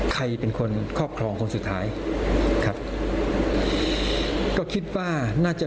ใครเป็นคนครอบครองคนสุดท้ายครับก็คิดว่าน่าจะ